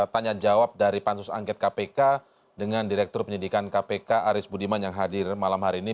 tanya jawab dari pansus angket kpk dengan direktur penyidikan kpk aris budiman yang hadir malam hari ini